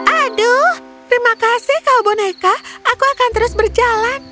aduh terima kasih kalau boneka aku akan terus berjalan